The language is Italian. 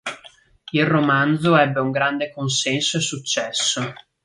Il romanzo ebbe un grande consenso e successo.